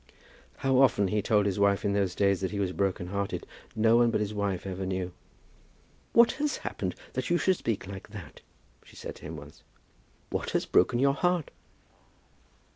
How often he told his wife in those days that he was broken hearted, no one but his wife ever knew. "What has happened that you should speak like that?" she said to him once. "What has broken your heart?"